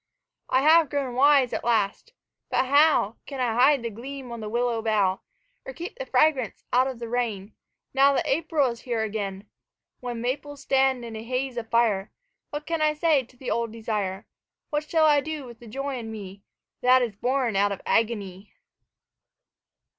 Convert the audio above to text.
I have grown wise at last but how Can I hide the gleam on the willow bough, Or keep the fragrance out of the rain Now that April is here again? When maples stand in a haze of fire What can I say to the old desire, What shall I do with the joy in me That is born out of agony?